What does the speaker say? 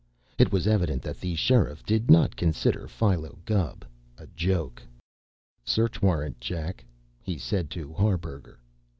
It was evident that the Sheriff did not consider Philo Gubb a joke. "Search warrant, Jack," he said to Harburger.